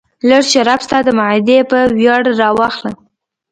لږ شراب ستا د معدې په ویاړ راواخله.